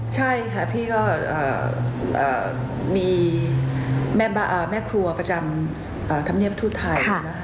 ใช่ค่ะพี่ก็มีแม่ครัวประจำธรรมเนียมทูตไทย